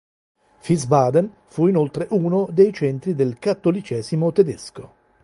Wiesbaden fu inoltre uno dei centri del cattolicesimo tedesco.